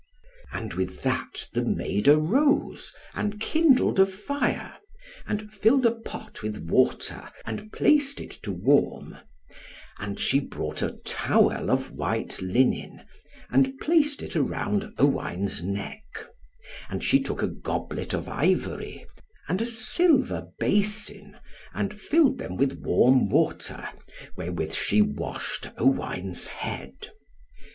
And with that the maid arose, and kindled a fire, and filled a pot with water, and placed it to warm; and she brought a towel of white linen, and placed it around Owain's neck; and she took a goblet of ivory, and a silver basin, and filled them with warm water, wherewith she washed Owain's head.